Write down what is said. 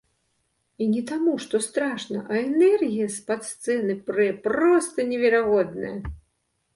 І не таму, што страшна, а энергія з-пад сцэны прэ проста неверагодная!